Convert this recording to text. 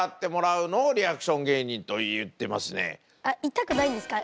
痛くないんですか？